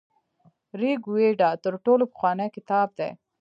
ریګویډا تر ټولو پخوانی کتاب دی.